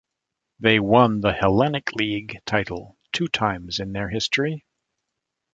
They won the Hellenic League title two times in their history.